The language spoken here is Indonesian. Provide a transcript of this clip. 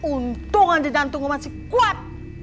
untung aja jantungmu masih kuat